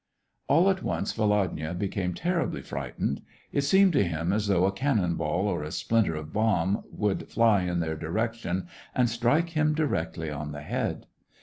All at once, Volodya became terribly fright ened ; it seemed to him as though a cannon ball or a splinter of bomb would fly in their direction, and strike him directly on the head.